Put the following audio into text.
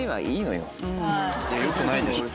よくないでしょ。